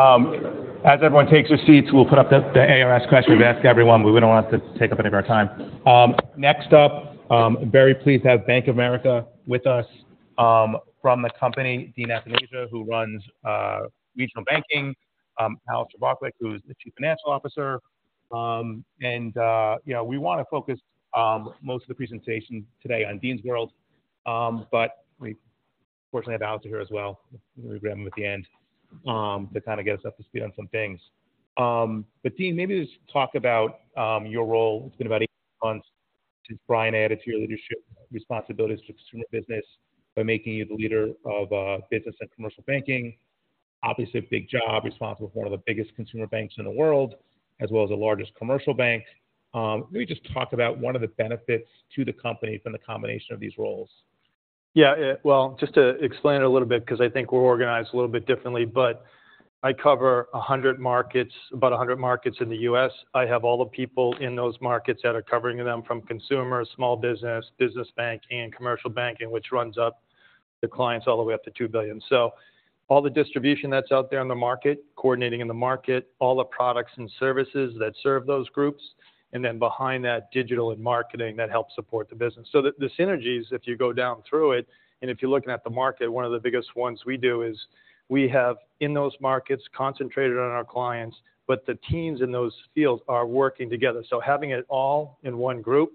As everyone takes their seats, we'll put up the ARS question. We've asked everyone, we wouldn't want it to take up any of our time. Next up, very pleased to have Bank of America with us. From the company, Dean Athanasia, who runs regional banking, Alastair Borthwick, who is the Chief Financial Officer. And, you know, we wanna focus most of the presentation today on Dean's world. But we fortunately have Alastair here as well. We'll grab him at the end to kind of get us up to speed on some things. But Dean, maybe just talk about your role. It's been about eight months since Brian added to your leadership responsibilities to consumer business by making you the leader of business and commercial banking. Obviously, a big job, responsible for one of the biggest consumer banks in the world, as well as the largest commercial bank. Maybe just talk about what are the benefits to the company from the combination of these roles? Yeah, well, just to explain it a little bit because I think we're organized a little bit differently, but I cover 100 markets, about 100 markets in the U.S. I have all the people in those markets that are covering them from consumer, small business, business banking, and commercial banking, which runs up the clients all the way up to $2 billion. So all the distribution that's out there in the market, coordinating in the market, all the products and services that serve those groups, and then behind that, digital and marketing that helps support the business. So the synergies, if you go down through it, and if you're looking at the market, one of the biggest ones we do is we have, in those markets, concentrated on our clients, but the teams in those fields are working together. So having it all in one group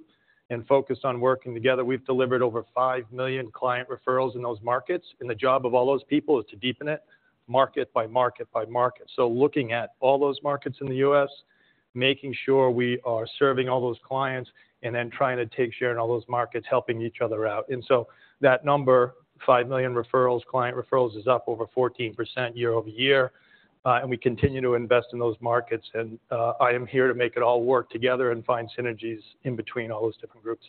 and focused on working together, we've delivered over 5 million client referrals in those markets. The job of all those people is to deepen it market by market by market. So looking at all those markets in the U.S., making sure we are serving all those clients, and then trying to take share in all those markets, helping each other out. And so that number, 5 million referrals, client referrals, is up over 14% year-over-year, and we continue to invest in those markets. And I am here to make it all work together and find synergies in between all those different groups.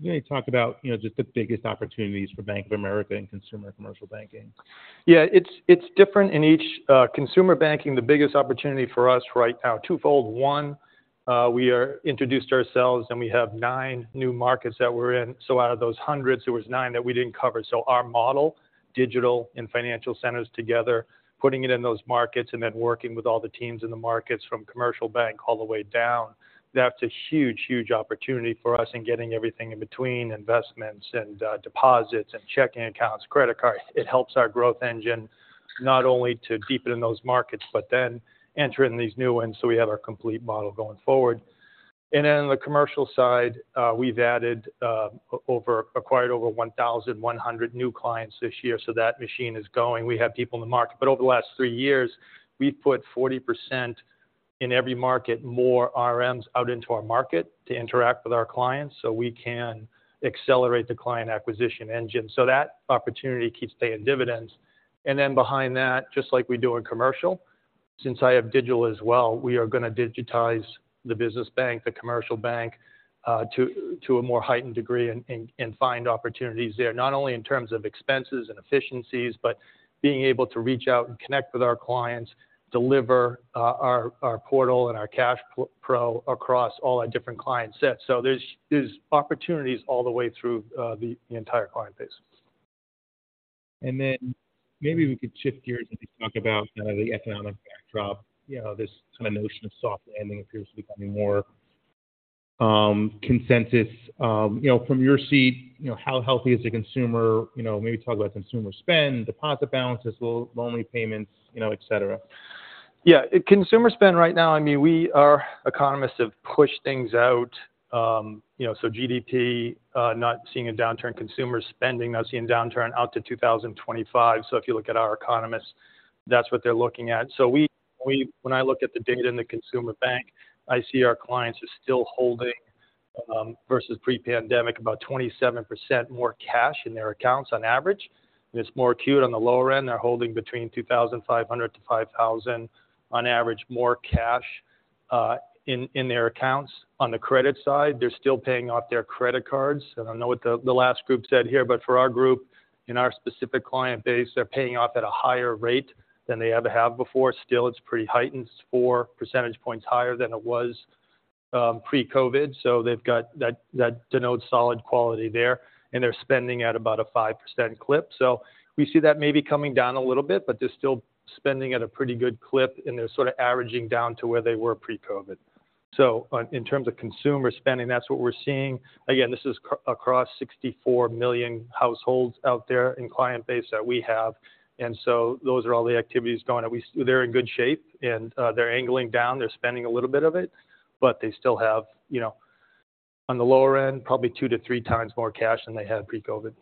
May you talk about, you know, just the biggest opportunities for Bank of America in consumer and commercial banking? Yeah, it's different in each. Consumer Banking, the biggest opportunity for us right now, twofold. One, we are introduced ourselves, and we have nine new markets that we're in. So out of those hundreds, there was 9 that we didn't cover. So our model, digital and Financial Centers together, putting it in those markets and then working with all the teams in the markets from commercial bank all the way down, that's a huge, huge opportunity for us in getting everything in between, investments and deposits and checking accounts, credit cards. It helps our growth engine, not only to deepen in those markets, but then enter in these new ones, so we have our complete model going forward. And then in the commercial side, we've acquired over 1,100 new clients this year, so that machine is going. We have people in the market, but over the last three years, we've put 40% in every market, more RMs out into our market to interact with our clients, so we can accelerate the client acquisition engine. So that opportunity keeps paying dividends. And then behind that, just like we do in commercial, since I have digital as well, we are gonna digitize the business bank, the commercial bank, to a more heightened degree and find opportunities there, not only in terms of expenses and efficiencies, but being able to reach out and connect with our clients, deliver our portal and our CashPro across all our different client sets. So there's opportunities all the way through the entire client base. Then maybe we could shift gears and just talk about the economic backdrop. You know, this kind of notion of soft landing appears to be becoming more consensus. You know, from your seat, you know, how healthy is the consumer? You know, maybe talk about consumer spend, deposit balances, loan repayments, you know, et cetera. Yeah. Consumer spend right now, I mean, we are... economists have pushed things out. You know, so GDP, not seeing a downturn, consumer spending not seeing a downturn out to 2025. So if you look at our economists, that's what they're looking at. So we-- when I look at the data in the consumer bank, I see our clients are still holding, versus pre-pandemic, about 27% more cash in their accounts on average. It's more acute on the lower end. They're holding between $2,500-$5,000 on average, more cash, in, in their accounts. On the credit side, they're still paying off their credit cards. I don't know what the, the last group said here, but for our group, in our specific client base, they're paying off at a higher rate than they ever have before. Still, it's pretty heightened, 4 percentage points higher than it was pre-COVID. So they've got that, that denotes solid quality there, and they're spending at about a 5% clip. So we see that maybe coming down a little bit, but they're still spending at a pretty good clip, and they're sort of averaging down to where they were pre-COVID. So on in terms of consumer spending, that's what we're seeing. Again, this is across 64 million households out there in client base that we have, and so those are all the activities going on. They're in good shape, and they're angling down. They're spending a little bit of it, but they still have, you know, on the lower end, probably two-three times more cash than they had pre-COVID.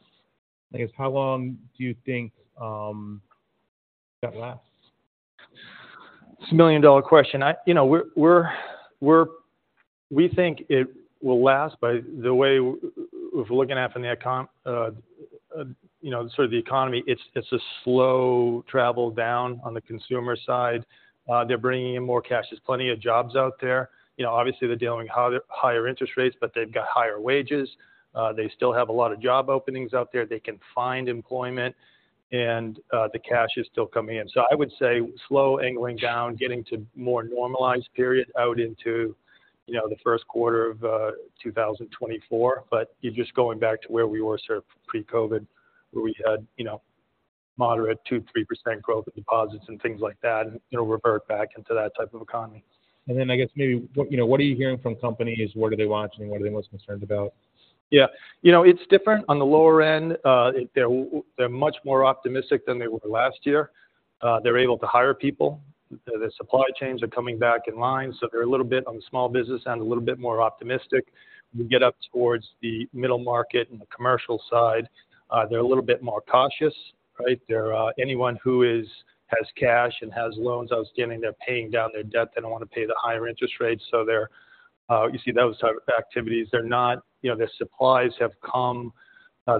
I guess, how long do you think that lasts? It's a million-dollar question. You know, we think it will last, but the way we're looking at from the econ, you know, sort of the economy, it's a slow travel down on the consumer side. They're bringing in more cash. There's plenty of jobs out there. You know, obviously, they're dealing with higher interest rates, but they've got higher wages. They still have a lot of job openings out there. They can find employment, and the cash is still coming in. So I would say slow angling down, getting to more normalized period out into, you know, the first quarter of 2024. But you're just going back to where we were sort of pre-COVID, where we had, you know... moderate 2%-3% growth in deposits and things like that, and it'll revert back into that type of economy. And then I guess maybe, you know, what are you hearing from companies? What are they watching? What are they most concerned about? Yeah. You know, it's different. On the lower end, they're much more optimistic than they were last year. They're able to hire people. The supply chains are coming back in line, so they're a little bit, on the small business end, a little bit more optimistic. When you get up towards the middle market and the commercial side, they're a little bit more cautious, right? They're anyone who has cash and has loans outstanding, they're paying down their debt. They don't want to pay the higher interest rates, so they're, you see those type of activities. They're not you know, their supplies have come.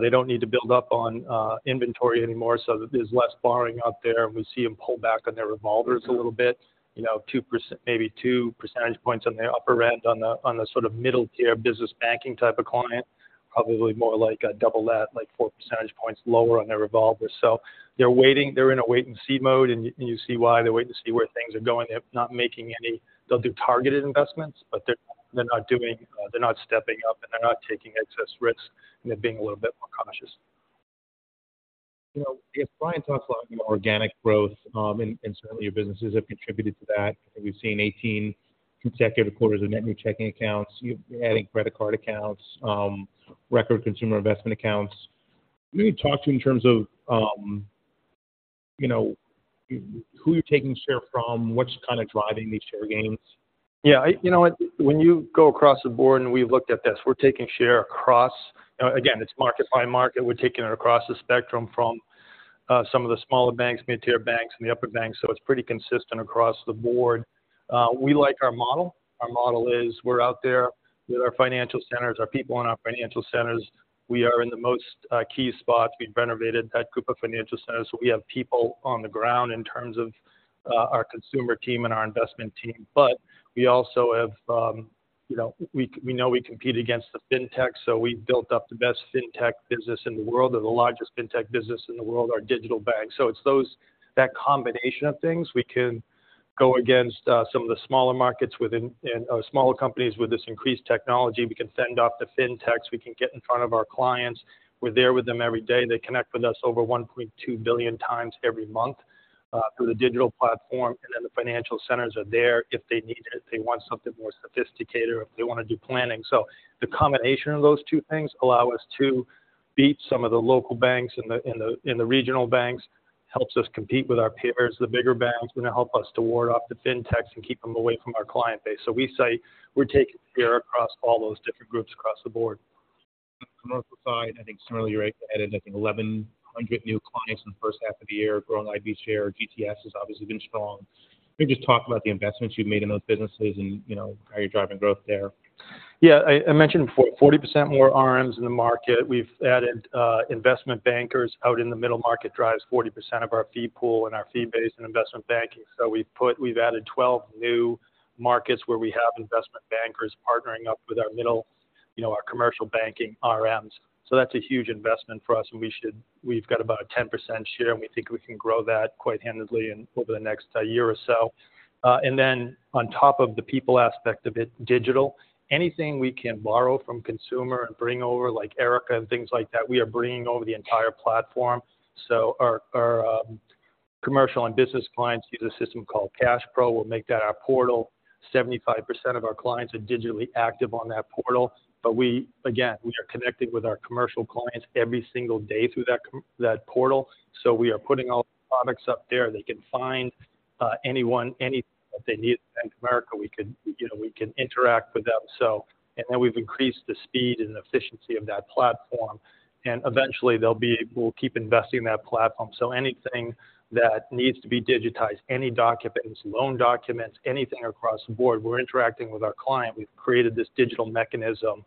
They don't need to build up on inventory anymore, so there's less borrowing out there, and we see them pull back on their revolvers a little bit. You know, 2%- maybe two percentage points on the upper end, on the, on the sort of middle-tier business banking type of client, probably more like, double that, like four percentage points lower on their revolvers. So they're waiting. They're in a wait-and-see mode, and you, you see why. They're waiting to see where things are going. They're not making any... They'll do targeted investments, but they're, they're not doing-- they're not stepping up, and they're not taking excess risks, and they're being a little bit more cautious. You know, if Brian talks a lot about organic growth, and certainly your businesses have contributed to that. I think we've seen 18 consecutive quarters of net new checking accounts. You're adding credit card accounts, record consumer investment accounts. Can you talk to me in terms of, you know, who you're taking share from? What's kind of driving these share gains? Yeah, you know what? When you go across the board, and we've looked at this, we're taking share across— Again, it's market by market. We're taking it across the spectrum from some of the smaller banks, mid-tier banks, and the upper banks, so it's pretty consistent across the board. We like our model. Our model is we're out there with our Financial Centers, our people in our Financial Centers. We are in the most key spots. We've renovated that group of Financial Centers, so we have people on the ground in terms of our consumer team and our investment team. But we also have, you know... We, we know we compete against the fintech, so we've built up the best fintech business in the world, or the largest fintech business in the world, our digital bank. So it's those- that combination of things. We can go against some of the smaller markets within, and smaller companies with this increased technology. We can fend off the fintechs. We can get in front of our clients. We're there with them every day. They connect with us over 1.2 billion times every month through the digital platform, and then the Financial Centers are there if they need it, if they want something more sophisticated, or if they want to do planning. So the combination of those two things allow us to beat some of the local banks and the regional banks. Helps us compete with our peers, the bigger banks, and it help us to ward off the fintechs and keep them away from our client base. So we say we're taking share across all those different groups across the board. Commercial side, I think similarly, you're right, I think 1,100 new clients in the first half of the year, growing IB share. GTS has obviously been strong. Can you just talk about the investments you've made in those businesses and, you know, how you're driving growth there? Yeah. I mentioned before, 40% more RMs in the market. We've added investment bankers out in the middle market drives 40% of our fee pool and our fee base in investment banking. So we've added 12 new markets where we have investment bankers partnering up with our middle, you know, our commercial banking RMs. So that's a huge investment for us, and we've got about a 10% share, and we think we can grow that quite handily over the next year or so. And then on top of the people aspect of it, digital. Anything we can borrow from consumer and bring over, like Erica and things like that, we are bringing over the entire platform. So our commercial and business clients use a system called CashPro. We'll make that our portal. 75% of our clients are digitally active on that portal, but we... Again, we are connecting with our commercial clients every single day through that portal, so we are putting all the products up there. They can find anyone, anything that they need at Bank of America. We could, you know, we can interact with them. So... And then we've increased the speed and efficiency of that platform, and eventually, we'll keep investing in that platform. So anything that needs to be digitized, any documents, loan documents, anything across the board, we're interacting with our client. We've created this digital mechanism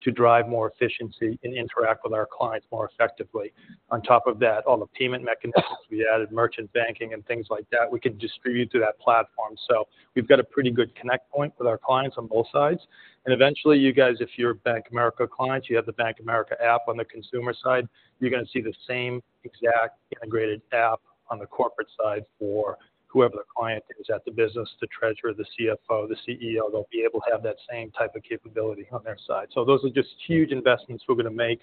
to drive more efficiency and interact with our clients more effectively. On top of that, all the payment mechanisms, we added merchant banking and things like that, we can distribute through that platform. So we've got a pretty good connect point with our clients on both sides. Eventually, you guys, if you're a Bank of America client, you have the Bank of America app on the consumer side, you're going to see the same exact integrated app on the corporate side for whoever the client is at the business, the treasurer, the CFO, the CEO, they'll be able to have that same type of capability on their side. So those are just huge investments we're going to make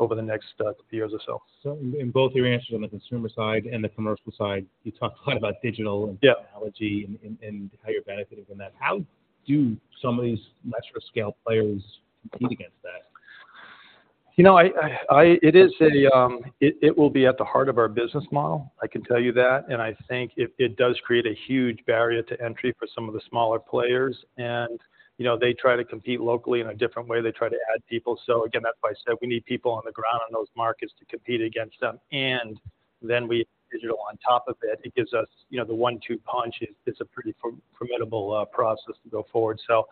over the next few years or so. In both your answers on the consumer side and the commercial side, you talked a lot about digital- Yeah and technology and, and how you're benefiting from that. How do some of these lesser scale players compete against that? You know, it will be at the heart of our business model, I can tell you that. And I think it does create a huge barrier to entry for some of the smaller players. And, you know, they try to compete locally in a different way. They try to add people. So again, that's why I said we need people on the ground in those markets to compete against them, and then we add digital on top of it. It gives us, you know, the one-two punch. It's a pretty formidable process to go forward. So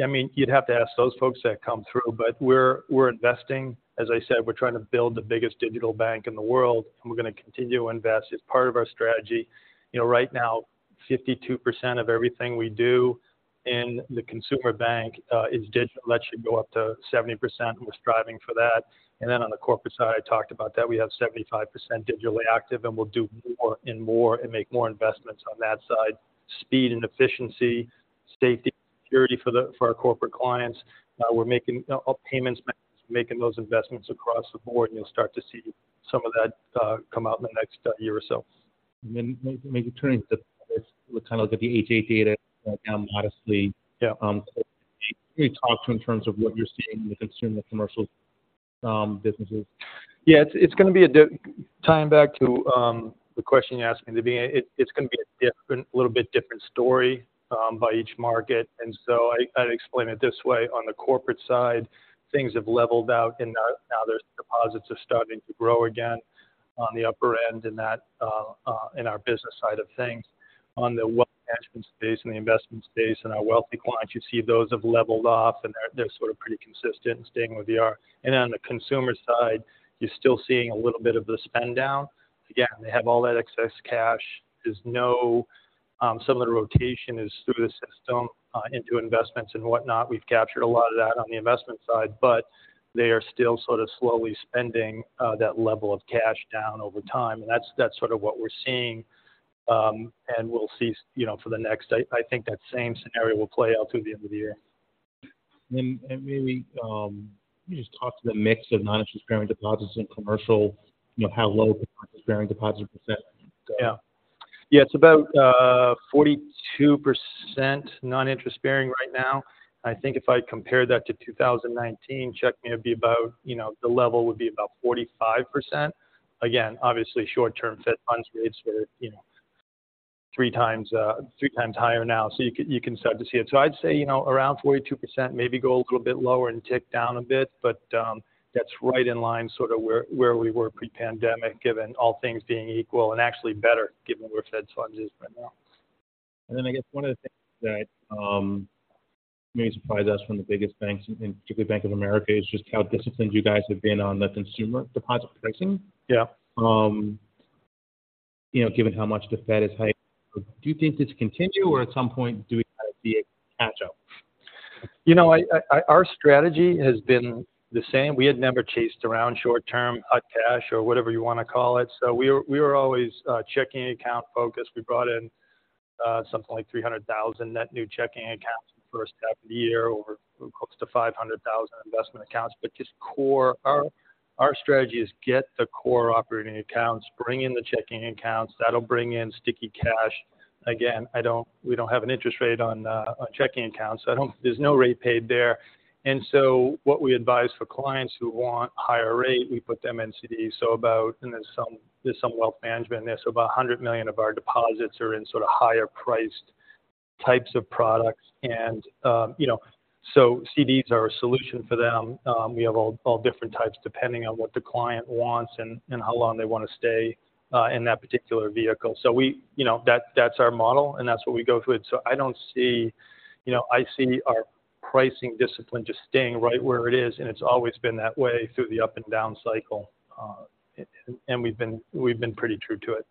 I mean, you'd have to ask those folks that come through, but we're investing. As I said, we're trying to build the biggest digital bank in the world, and we're going to continue to invest. It's part of our strategy. You know, right now, 52% of everything we do in the consumer bank is digital. That should go up to 70%. We're striving for that. And then on the corporate side, I talked about that, we have 75% digitally active, and we'll do more and more and make more investments on that side, speed and efficiency, safety, security for our corporate clients. We're making all payments, making those investments across the board, and you'll start to see some of that come out in the next year or so. And then maybe turning to kind of look at the [BAC] data, modestly- Yeah. Can you talk to in terms of what you're seeing with consumer commercial, businesses? Yeah, it's gonna be a bit different, tying back to the question you asked me about. It's gonna be a little bit different story by each market. And so I'd explain it this way: on the corporate side, things have leveled out, and now deposits are starting to grow again on the upper end in that in our business side of things. On the Wealth Management space and the investment space and our wealthy clients, you see those have leveled off, and they're sort of pretty consistent and staying where they are. And on the consumer side, you're still seeing a little bit of the spend down. Again, they have all that excess cash. There's some of the rotation is through the system into investments and whatnot. We've captured a lot of that on the investment side, but they are still sort of slowly spending that level of cash down over time. And that's, that's sort of what we're seeing. And we'll see, you know, for the next, I, I think that same scenario will play out through the end of the year. And maybe, can you just talk to the mix of non-interest-bearing deposits in commercial, you know, how low the non-interest-bearing deposits are? Yeah. Yeah, it's about 42% non-interest-bearing right now. I think if I compare that to 2019, check me, it'd be about, you know, the level would be about 45%. Again, obviously, short-term Fed Funds rates were, you know, three times three times higher now, so you can, you can start to see it. So I'd say, you know, around 42%, maybe go a little bit lower and tick down a bit. But that's right in line sort of where, where we were pre-pandemic, given all things being equal, and actually better, given where Fed Funds is right now. I guess one of the things that may surprise us from the biggest banks, and particularly Bank of America, is just how disciplined you guys have been on the consumer deposit pricing. Yeah. You know, given how much the Fed is hiking, do you think this will continue, or at some point, do we kind of see a catch-up? You know, our strategy has been the same. We had never chased around short term hot cash or whatever you want to call it, so we were always checking account focused. We brought in something like 300,000 net new checking accounts in the first half of the year, or close to 500,000 investment accounts. But just core, our strategy is get the core operating accounts, bring in the checking accounts. That'll bring in sticky cash. Again, I don't, we don't have an interest rate on checking accounts, so I don't, there's no rate paid there. And so what we advise for clients who want higher rate, we put them in CD. So about... and there's some wealth management there, so about $100 million of our deposits are in sort of higher priced types of products, and, you know. So CDs are a solution for them. We have all different types, depending on what the client wants and how long they want to stay in that particular vehicle. So we, you know, that's our model, and that's what we go through. So I don't see. You know, I see our pricing discipline just staying right where it is, and it's always been that way through the up and down cycle. And we've been pretty true to it.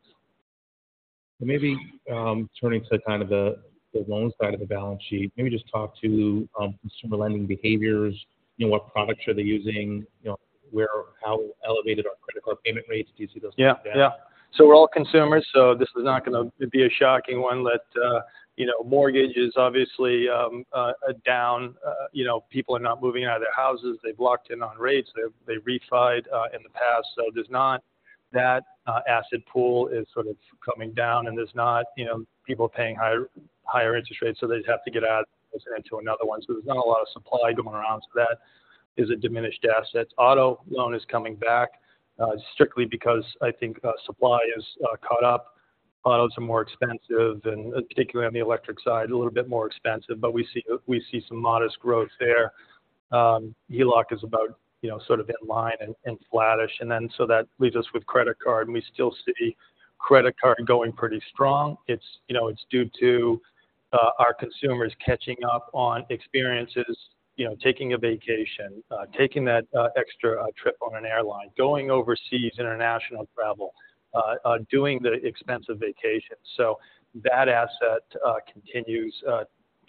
Maybe, turning to kind of the, the loans side of the balance sheet, maybe just talk to consumer lending behaviors, you know, what products are they using? You know, where or how elevated are credit card payment rates? Do you see those- Yeah, yeah. So we're all consumers, so this is not gonna be a shocking one. You know, mortgage is obviously down. You know, people are not moving out of their houses. They've locked in on rates. They've refi'd in the past. So there's not. That asset pool is sort of coming down, and there's not, you know, people paying higher, higher interest rates, so they'd have to get out into another one. So there's not a lot of supply going around. So that is a diminished asset. Auto loan is coming back strictly because I think supply is caught up. Autos are more expensive and particularly on the electric side, a little bit more expensive, but we see, we see some modest growth there. HELOC is about, you know, sort of in line and flattish, and then so that leaves us with credit card, and we still see credit card going pretty strong. It's, you know, it's due to our consumers catching up on experiences, you know, taking a vacation, taking that extra trip on an airline, going overseas, international travel, doing the expensive vacations. So that asset continues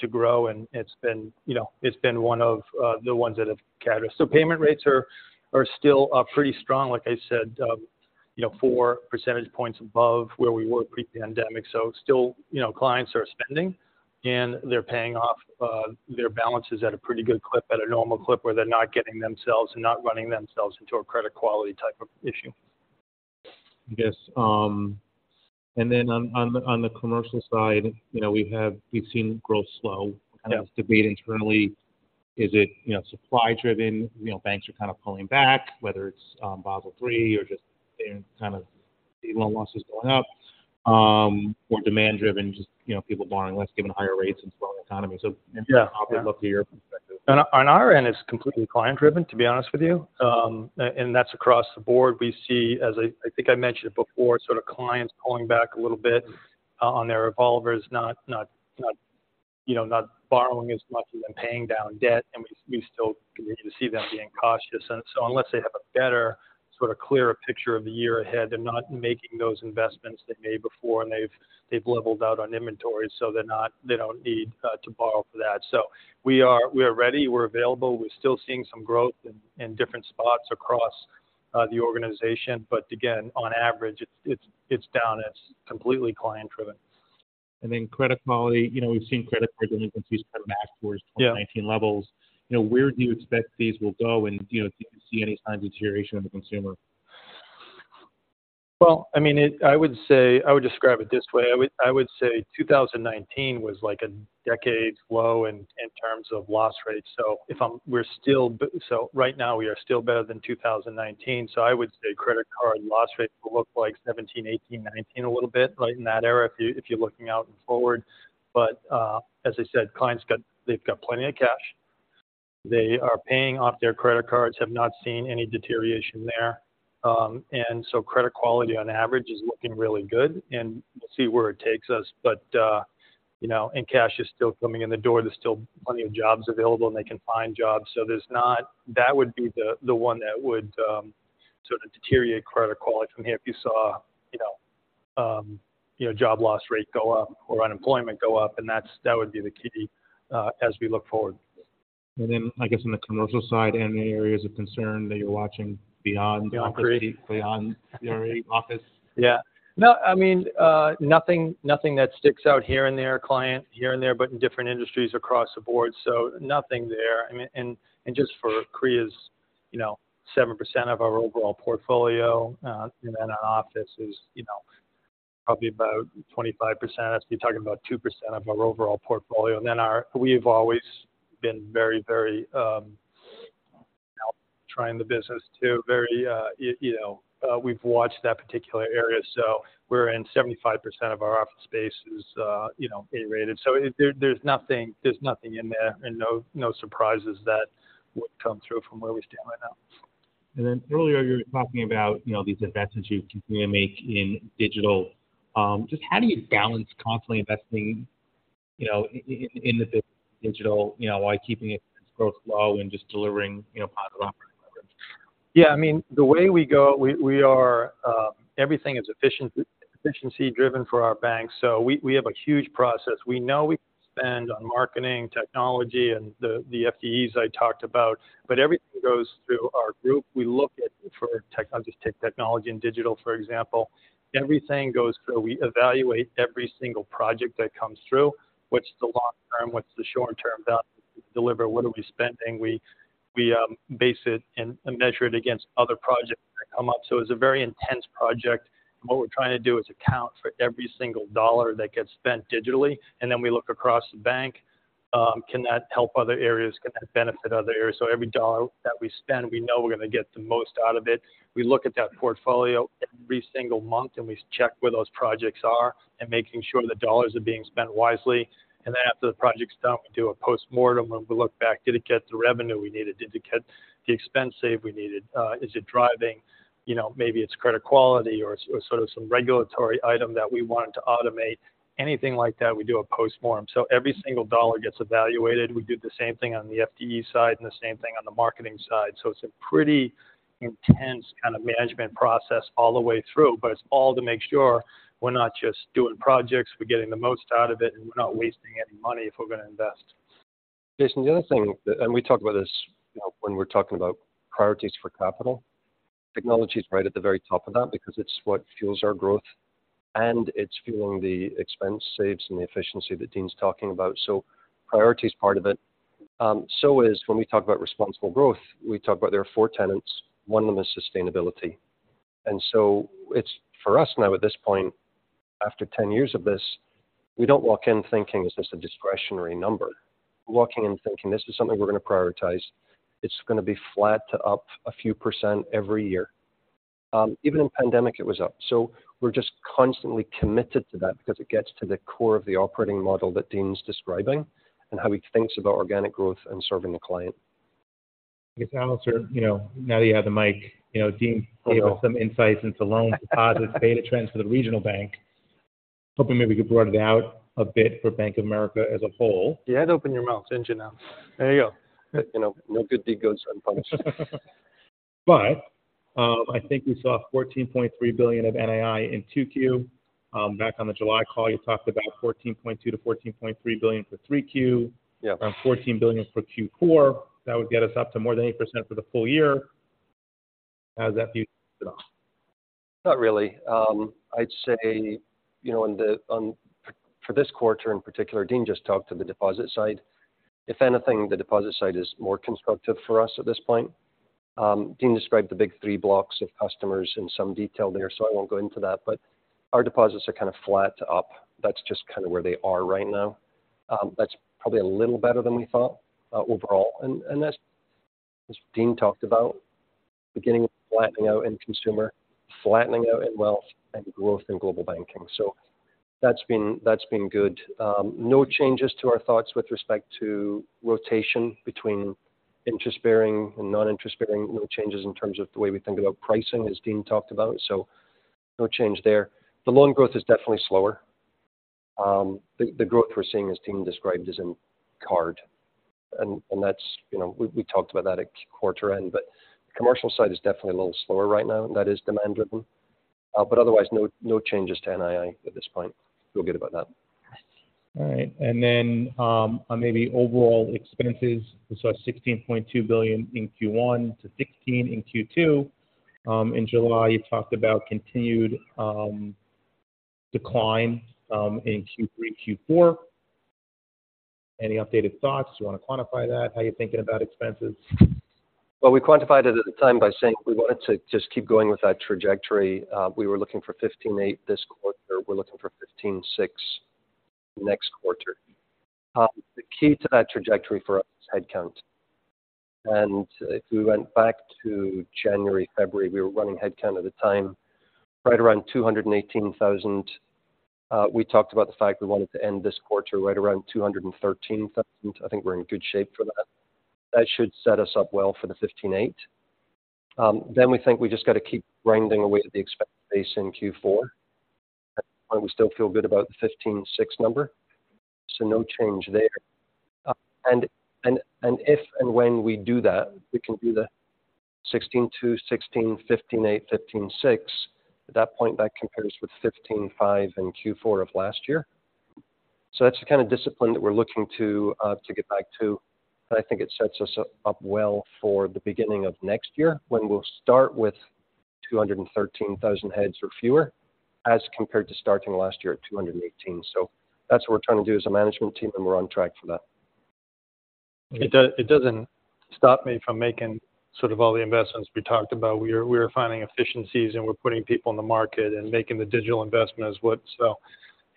to grow, and it's been, you know, it's been one of the ones that have carried us. So payment rates are still pretty strong. Like I said, you know, four percentage points above where we were pre-pandemic. Still, you know, clients are spending, and they're paying off their balances at a pretty good clip, at a normal clip, where they're not getting themselves and not running themselves into a credit quality type of issue. I guess, and then on the commercial side, you know, we've seen growth slow. Yeah. Kind of this debate internally, is it, you know, supply driven? You know, banks are kind of pulling back, whether it's Basel III or just they're kind of seeing loan losses going up, or demand driven, just, you know, people borrowing less, given higher rates and slowing economy. So- Yeah. I'd love to hear your perspective. On our end, it's completely client driven, to be honest with you. And that's across the board. We see, as I think I mentioned it before, sort of clients pulling back a little bit on their revolvers, not, you know, not borrowing as much as they're paying down debt, and we still continue to see them being cautious. So unless they have a better sort of clearer picture of the year ahead, they're not making those investments they made before, and they've leveled out on inventory, so they don't need to borrow for that. So we are ready. We're available. We're still seeing some growth in different spots across the organization. But again, on average, it's down. It's completely client-driven. And then credit quality, you know, we've seen credit card delinquencies come back- Yeah Toward 2019 levels. You know, where do you expect these will go? And, you know, do you see any signs of deterioration in the consumer? Well, I mean, it. I would say I would describe it this way. I would say 2019 was like a decade low in terms of loss rate. So if I'm we're still so right now, we are still better than 2019. So I would say credit card loss rate will look like 17, 18, 19, a little bit, right in that area, if you if you're looking out forward. But as I said, clients got they've got plenty of cash. They are paying off their credit cards, have not seen any deterioration there. And so credit quality on average is looking really good, and we'll see where it takes us. But you know, and cash is still coming in the door. There's still plenty of jobs available, and they can find jobs. So there's not... That would be the one that would sort of deteriorate credit quality from here, if you saw, you know, you know, job loss rate go up or unemployment go up, and that would be the key, as we look forward. And then, I guess, on the commercial side, any areas of concern that you're watching beyond? Yeah. Office, beyond, you know, office? Yeah. No, I mean, nothing, nothing that sticks out here and there, client here and there, but in different industries across the board, so nothing there. I mean, and, and just for CRE is, you know, 7% of our overall portfolio, and then our office is, you know, probably about 25%. That's be talking about 2% of our overall portfolio. And then our-- we've always been very, very, trying the business to very, you know, we've watched that particular area. So we're in 75% of our office space is, you know, A-rated. So it there, there's nothing, there's nothing in there and no, no surprises that would come through from where we stand right now. Then earlier, you were talking about, you know, these investments you continue to make in digital. Just how do you balance constantly investing, you know, in the digital, you know, while keeping it growth low and just delivering, you know, positive operating leverage? Yeah, I mean, the way we go, we, we are, everything is efficiency, efficiency-driven for our bank, so we, we have a huge process. We know we spend on marketing, technology, and the, the FTEs I talked about, but everything goes through our group. We look at it for tech- I'll just take technology and digital, for example. Everything goes through. We evaluate every single project that comes through. What's the long term? What's the short term value to deliver? What are we spending? We, we, base it and measure it against other projects that come up. So it's a very intense project. What we're trying to do is account for every single dollar that gets spent digitally, and then we look across the bank. Can that help other areas? Can that benefit other areas? So every dollar that we spend, we know we're going to get the most out of it. We look at that portfolio every single month, and we check where those projects are and making sure the dollars are being spent wisely. Then after the project's done, we do a postmortem, and we look back. Did it get the revenue we needed? Did it get the expense save we needed? Is it driving, you know, maybe it's credit quality or sort of some regulatory item that we wanted to automate. Anything like that, we do a postmortem. So every single dollar gets evaluated. We do the same thing on the FTE side and the same thing on the marketing side. It's a pretty intense kind of management process all the way through, but it's all to make sure we're not just doing projects, we're getting the most out of it, and we're not wasting any money if we're going to invest. Jason, the other thing, and we talk about this, you know, when we're talking about priorities for capital. Technology is right at the very top of that because it's what fuels our growth, and it's fueling the expense saves and the efficiency that Dean's talking about. So priority is part of it. So is when we talk about responsible growth, we talk about there are four tenets. One of them is sustainability. And so it's for us now, at this point, after ten years of this, we don't walk in thinking, is this a discretionary number? We walk in thinking, this is something we're going to prioritize. It's going to be flat to up a few percent every year. Even in pandemic, it was up. We're just constantly committed to that because it gets to the core of the operating model that Dean's describing and how he thinks about organic growth and serving the client. I guess, Alastair, you know, now that you have the mic, you know, Dean- Hello... gave us some insights into loans, deposits, data trends for the regional bank. Hoping maybe you could broaden it out a bit for Bank of America as a whole. You had to open your mouth, didn't you, now? There you go. You know, no good deed goes unpunished. But, I think we saw $14.3 billion of NII in 2Q. Back on the July call, you talked about $14.2-$14.3 billion for 3Q. Yeah. Around $14 billion for Q4. That would get us up to more than 8% for the full year. How does that view add up? Not really. I'd say, you know, in the, for this quarter in particular, Dean just talked to the deposit side. If anything, the deposit side is more constructive for us at this point. Dean described the big three blocks of customers in some detail there, so I won't go into that, but our deposits are kind of flat to up. That's just kind of where they are right now. That's probably a little better than we thought, overall. And as Dean talked about, beginning with flattening out in consumer, flattening out in wealth, and growth in global banking. So that's been, that's been good. No changes to our thoughts with respect to rotation between interest-bearing and non-interest-bearing. No changes in terms of the way we think about pricing, as Dean talked about, so no change there. The loan growth is definitely slower. The growth we're seeing, as Dean described, is in card, and that's, you know, we talked about that at quarter end. But the commercial side is definitely a little slower right now, and that is demand-driven. But otherwise, no changes to NII at this point. Feel good about that. ... All right, and then on maybe overall expenses, we saw $16.2 billion in Q1 to $16 billion in Q2. In July, you talked about continued decline in Q3, Q4. Any updated thoughts? Do you want to quantify that? How are you thinking about expenses? Well, we quantified it at the time by saying we wanted to just keep going with that trajectory. We were looking for $15.8 billion this quarter. We're looking for $15.6 billion next quarter. The key to that trajectory for us is headcount. And if we went back to January, February, we were running headcount at the time, right around 218,000. We talked about the fact we wanted to end this quarter right around 213,000. I think we're in good shape for that. That should set us up well for the $15.8 billion. Then we think we just got to keep grinding away at the expense base in Q4, and we still feel good about the $15.6 billion number, so no change there. and if and when we do that, we can do the 16.2, 16, 15.8, 15.6. At that point, that compares with 15.5 in Q4 of last year. So that's the kind of discipline that we're looking to get back to, and I think it sets us up well for the beginning of next year, when we'll start with 213,000 heads or fewer, as compared to starting last year at 218. So that's what we're trying to do as a management team, and we're on track for that. It doesn't stop me from making sort of all the investments we talked about. We are finding efficiencies, and we're putting people in the market and making the digital investment as what... So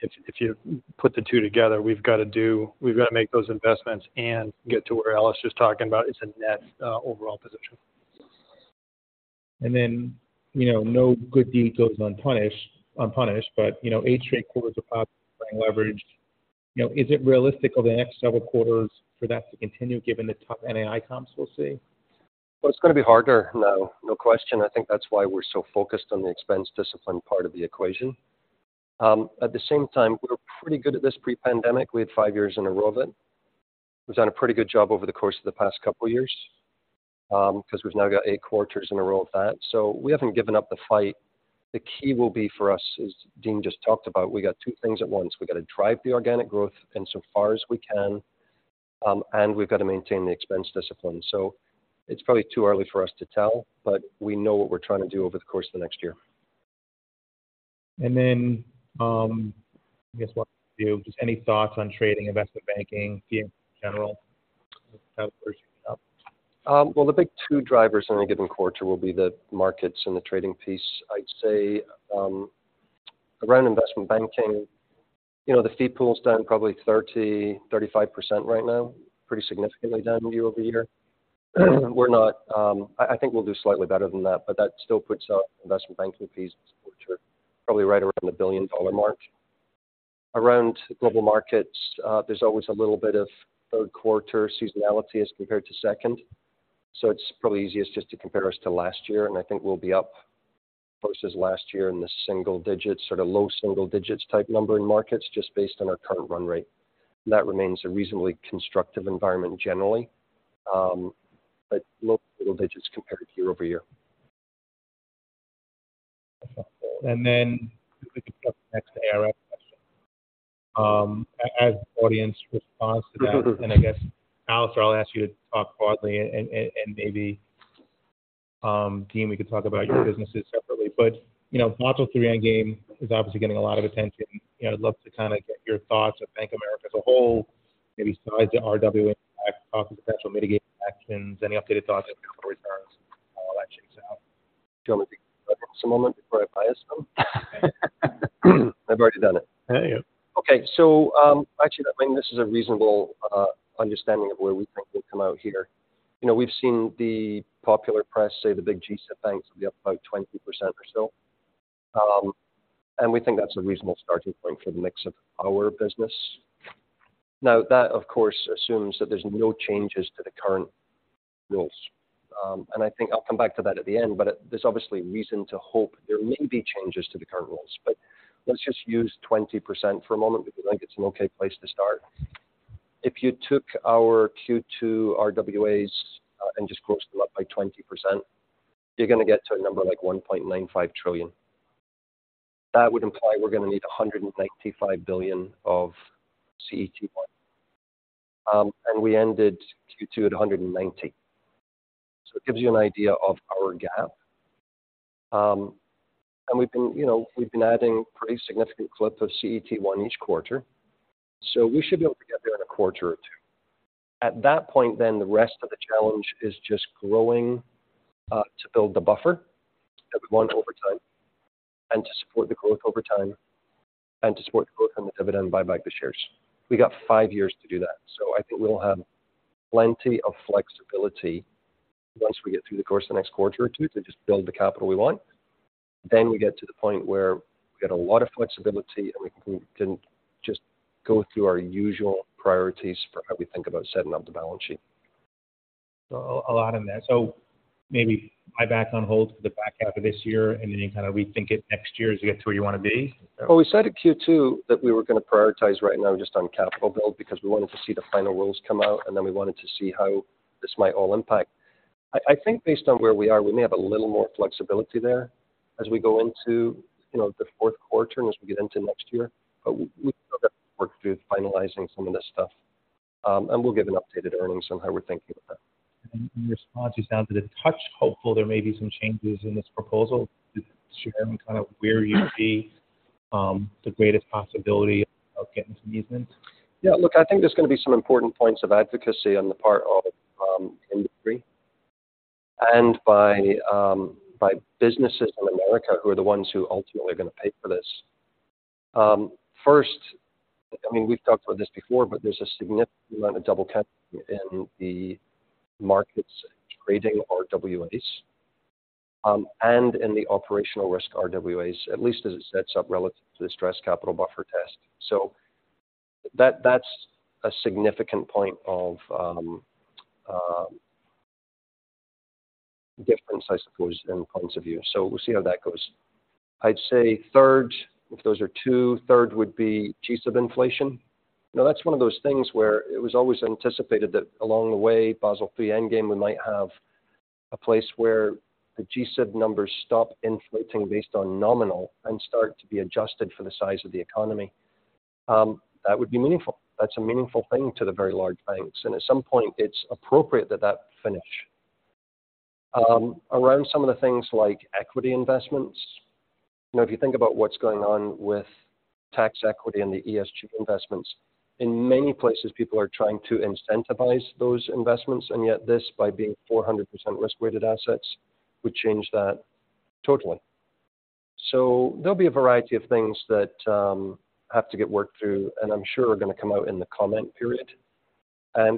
if you put the two together, we've got to make those investments and get to where Al is just talking about. It's a net overall position. Then, you know, no good deed goes unpunished, but, you know, eight straight quarters of operating leverage. You know, is it realistic over the next several quarters for that to continue, given the top NII comps we'll see? Well, it's going to be harder now, no question. I think that's why we're so focused on the expense discipline part of the equation. At the same time, we were pretty good at this pre-pandemic. We had five years in a row of it. We've done a pretty good job over the course of the past couple of years, because we've now got eight quarters in a row of that, so we haven't given up the fight. The key will be for us, as Dean just talked about, we got two things at once. We got to drive the organic growth insofar as we can, and we've got to maintain the expense discipline. So it's probably too early for us to tell, but we know what we're trying to do over the course of the next year. Then, I guess, just any thoughts on trading, investment banking in general? Well, the big two drivers in any given quarter will be the markets and the trading piece. I'd say, around Investment Banking, you know, the fee pool's down probably 30%-35% right now, pretty significantly down year-over-year. We're not... I think we'll do slightly better than that, but that still puts our Investment Banking fees this quarter probably right around the billion-dollar mark. Around Global Markets, there's always a little bit of third quarter seasonality as compared to second. So it's probably easiest just to compare us to last year, and I think we'll be up versus last year in the single digits, sort of low single digits type number in markets, just based on our current run rate. That remains a reasonably constructive environment generally, but low single digits compared to year-over-year. Then the next era question. As audience responds to that, and I guess, Alastair, I'll ask you to talk broadly and maybe, Dean, we can talk about your businesses separately. But, you know, Basel III endgame is obviously getting a lot of attention. You know, I'd love to kind of get your thoughts of Bank of America as a whole, maybe size the RWA impact of the potential mitigating actions. Any updated thoughts on how that shakes out? Do you want me to take this a moment before I bias them? I've already done it. Yeah, yeah. Okay. So, actually, I think this is a reasonable understanding of where we think we've come out here. You know, we've seen the popular press say the big GSIB banks will be up about 20% or so. And we think that's a reasonable starting point for the mix of our business. Now, that, of course, assumes that there's no changes to the current rules. And I think I'll come back to that at the end, but there's obviously reason to hope there may be changes to the current rules. But let's just use 20% for a moment because I think it's an okay place to start. If you took our Q2 RWAs, and just grossed them up by 20%, you're going to get to a number like $1.95 trillion. That would imply we're going to need $195 billion of CET1. We ended Q2 at $190 billion. So it gives you an idea of our gap. We've been, you know, we've been adding pretty significant clips of CET1 each quarter, so we should be able to get there in a quarter or two. At that point then, the rest of the challenge is just growing to build the buffer that we want over time and to support the growth over time, and to support the growth and the dividend buyback the shares. We got five years to do that, so I think we'll have plenty of flexibility once we get through the course of the next quarter or two to just build the capital we want. Then we get to the point where we've got a lot of flexibility, and we can just go through our usual priorities for how we think about setting up the balance sheet. A lot in there. So maybe buyback on hold for the back half of this year, and then you kind of rethink it next year as you get to where you want to be? Well, we said at Q2 that we were going to prioritize right now just on capital build, because we wanted to see the final rules come out, and then we wanted to see how this might all impact. I think based on where we are, we may have a little more flexibility there as we go into, you know, the fourth quarter and as we get into next year. But we've got to work through finalizing some of this stuff, and we'll give an updated earnings on how we're thinking about that. Your response, you sound a touch hopeful there may be some changes in this proposal. Just share kind of where you see the greatest possibility of getting some easements? Yeah, look, I think there's going to be some important points of advocacy on the part of industry and by by businesses in America, who are the ones who ultimately are going to pay for this. First, I mean, we've talked about this before, but there's a significant amount of double counting in the markets trading RWAs and in the operational risk RWAs, at least as it sets up relative to the stress capital buffer test. So that, that's a significant point of difference, I suppose, in points of view. So we'll see how that goes. I'd say third, if those are two, third would be GSIB inflation. Now, that's one of those things where it was always anticipated that along the way, Basel III endgame, we might have a place where the GSIB numbers stop inflating based on nominal and start to be adjusted for the size of the economy. That would be meaningful. That's a meaningful thing to the very large banks, and at some point, it's appropriate that that finish. Around some of the things like equity investments, you know, if you think about what's going on with tax equity and the ESG investments, in many places, people are trying to incentivize those investments, and yet this, by being 400% risk-weighted assets, would change that totally. So there'll be a variety of things that have to get worked through, and I'm sure are going to come out in the comment period.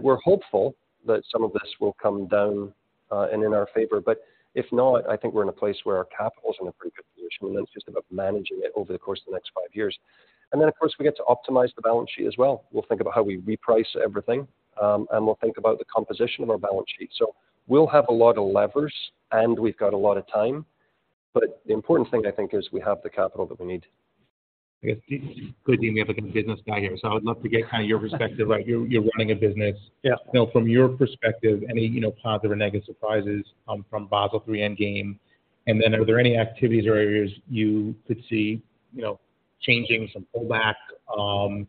We're hopeful that some of this will come down, and in our favor. But if not, I think we're in a place where our capital is in a pretty good position, and then it's just about managing it over the course of the next five years. Then, of course, we get to optimize the balance sheet as well. We'll think about how we reprice everything, and we'll think about the composition of our balance sheet. We'll have a lot of levers, and we've got a lot of time. But the important thing, I think, is we have the capital that we need. I guess, Dean, you have a good business guy here, so I would love to get kind of your perspective. Like, you're running a business. Yeah. Now, from your perspective, any, you know, positive or negative surprises, from Basel III endgame? And then are there any activities or areas you could see, you know, changing some pullback? Sure.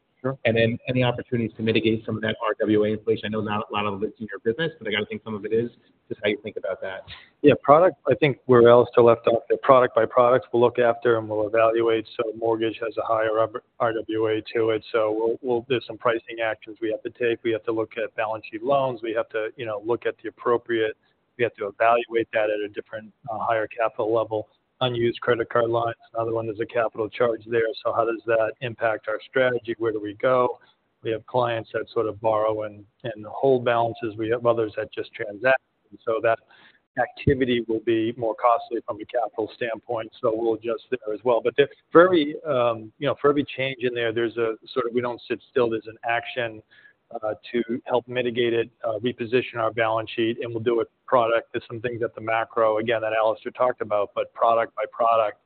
And then any opportunities to mitigate some of that RWA inflation? I know not a lot of it's in your business, but I got to think some of it is, just how you think about that. Yeah, product, I think where Alastair left off, the product by products, we'll look after and we'll evaluate. So mortgage has a higher RWA to it, so we'll do some pricing actions we have to take. We have to look at balance sheet loans. We have to, you know, look at the appropriate. We have to evaluate that at a different, higher capital level. Unused credit card lines, another one, there's a capital charge there. So how does that impact our strategy? Where do we go? We have clients that sort of borrow and hold balances. We have others that just transact. And so that activity will be more costly from a capital standpoint, so we'll adjust there as well. But for every, you know, for every change in there, there's a sort of we don't sit still. There's an action to help mitigate it, reposition our balance sheet, and we'll do a product. There's some things at the macro, again, that Alastair talked about, but product by product,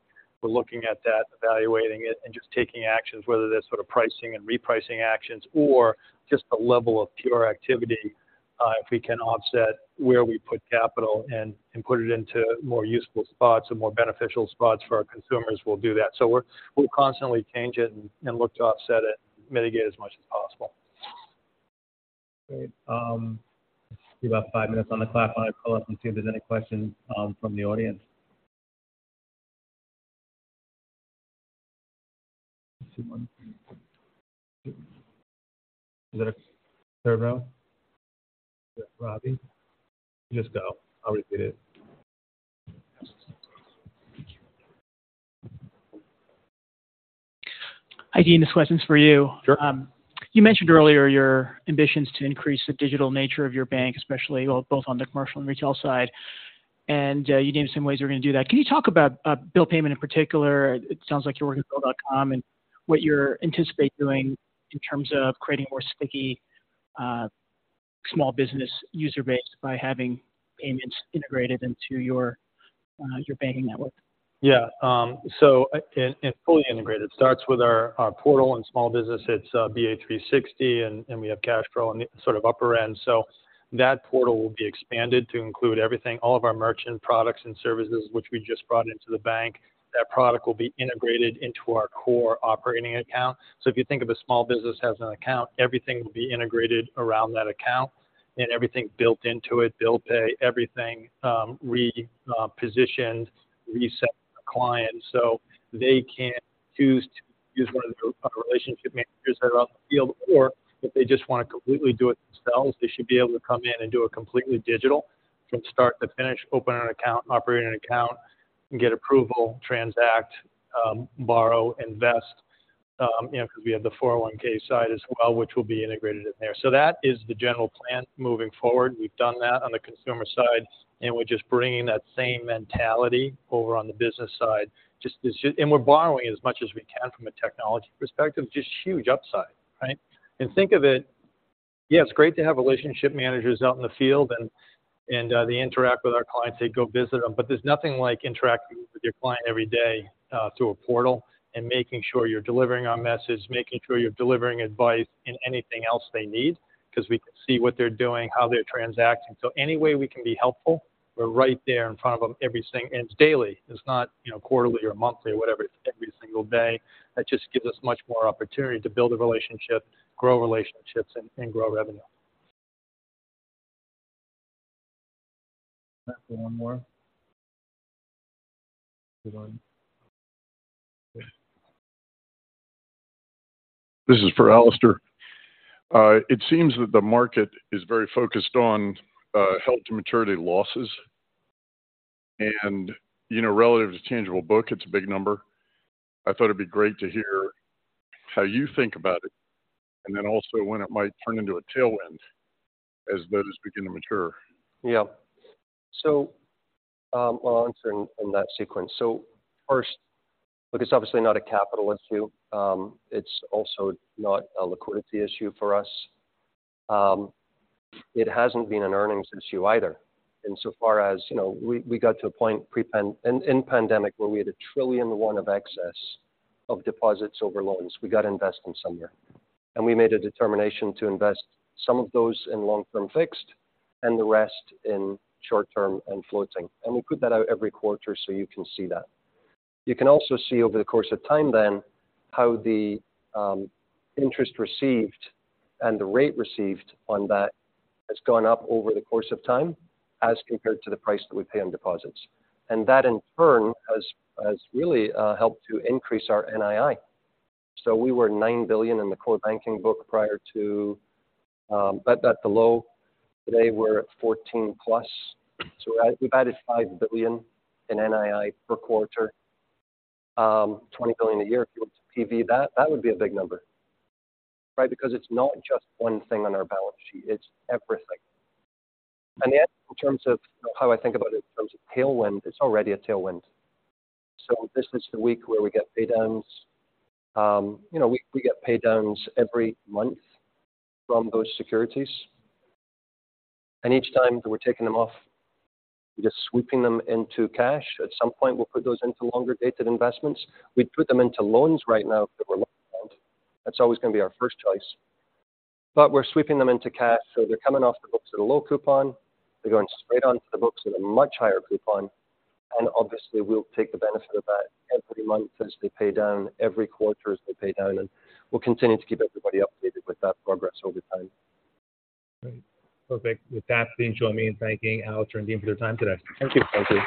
we're looking at that, evaluating it, and just taking actions, whether that's sort of pricing and repricing actions or just the level of pure activity. If we can offset where we put capital and put it into more useful spots and more beneficial spots for our consumers, we'll do that. So we'll constantly change it and look to offset it and mitigate as much as possible. Great. Let's give about five minutes on the clock on our call up and see if there's any questions from the audience. Is that a third round? Robbie? You just go. I'll repeat it. Hi, Dean, this question is for you. Sure. You mentioned earlier your ambitions to increase the digital nature of your bank, especially both on the commercial and retail side, and you named some ways you're going to do that. Can you talk about bill payment in particular? It sounds like you're working with Bill.com and what you're anticipate doing in terms of creating more sticky small business user base by having payments integrated into your your banking network. Yeah, so, and fully integrated. It starts with our portal and small business. It's BA 360, and we have CashPro on the sort of upper end. So that portal will be expanded to include everything, all of our merchant products and services, which we just brought into the bank. That product will be integrated into our core operating account. So if you think of a small business as an account, everything will be integrated around that account and everything built into it, bill pay, everything, repositioned, reset the client. So they can choose to use one of our relationship managers that are out in the field, or if they just want to completely do it themselves, they should be able to come in and do it completely digital from start to finish, open an account, operate an account, and get approval, transact, borrow, invest. You know, because we have the 401(k) side as well, which will be integrated in there. So that is the general plan moving forward. We've done that on the consumer side, and we're just bringing that same mentality over on the business side. And we're borrowing as much as we can from a technology perspective, just huge upside, right? And think of it-... Yeah, it's great to have relationship managers out in the field, and they interact with our clients, they go visit them. But there's nothing like interacting with your client every day, through a portal and making sure you're delivering our message, making sure you're delivering advice and anything else they need, because we can see what they're doing, how they're transacting. So any way we can be helpful, we're right there in front of them every single day, and it's daily. It's not, you know, quarterly or monthly or whatever, it's every single day. That just gives us much more opportunity to build a relationship, grow relationships, and grow revenue. One more. Good one. This is for Alastair. It seems that the market is very focused on held-to-maturity losses. And, you know, relative to tangible book, it's a big number. I thought it'd be great to hear how you think about it, and then also when it might turn into a tailwind as those begin to mature. Yeah. So, well, I'll answer in that sequence. So first, look, it's obviously not a capital issue. It's also not a liquidity issue for us. It hasn't been an earnings issue either, insofar as, you know, we got to a point pre-pandemic, where we had $1 trillion of excess of deposits over loans. We got to invest them somewhere. And we made a determination to invest some of those in long-term fixed and the rest in short-term and floating. And we put that out every quarter, so you can see that. You can also see over the course of time then, how the interest received and the rate received on that has gone up over the course of time as compared to the price that we pay on deposits. That, in turn, has really helped to increase our NII. We were $9 billion in the core banking book prior to, but at the low, today we're at $14+. We've added $5 billion in NII per quarter, $20 billion a year. If you were to PV that, that would be a big number, right? Because it's not just one thing on our balance sheet, it's everything. And yet, in terms of how I think about it in terms of tailwind, it's already a tailwind. This is the week where we get pay downs. You know, we get pay downs every month from those securities, and each time that we're taking them off, we're just sweeping them into cash. At some point, we'll put those into longer-dated investments. We'd put them into loans right now if they were..., that's always going to be our first choice. But we're sweeping them into cash, so they're coming off the books at a low coupon. They're going straight onto the books at a much higher coupon, and obviously, we'll take the benefit of that every month as they pay down, every quarter as they pay down, and we'll continue to keep everybody updated with that progress over time. Great. Perfect. With that, please join me in thanking Alastair and Dean for their time today. Thank you. Thank you.